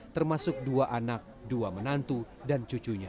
termasuk dua anak dua menantu dan cucunya